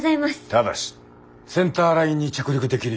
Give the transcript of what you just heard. ただしセンターラインに着陸できるようになること。